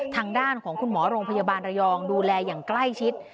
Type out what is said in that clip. ทางด้านของคุณหมอโรงพยาบาลระยองดูแลอย่างใกล้ชิด